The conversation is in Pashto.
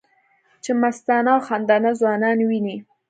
چې مستانه او خندانه ځوانان وینې